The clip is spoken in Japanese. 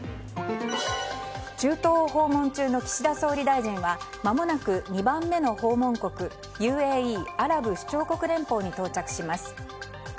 中東を訪問中の岸田総理大臣はまもなく２番目の訪問国ＵＡＥ・アラブ首長国連邦に到着します。